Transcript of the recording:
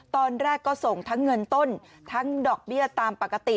ตอนแรกก็ส่งทั้งเงินต้นทั้งดอกเบี้ยตามปกติ